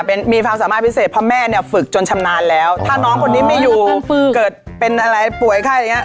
เป็นมีความสามารถพิเศษเพราะแม่เนี่ยฝึกจนชำนาญแล้วถ้าน้องคนนี้ไม่อยู่เกิดเป็นอะไรป่วยไข้อย่างเงี้